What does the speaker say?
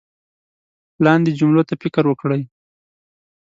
لاندې جملو ته فکر وکړئ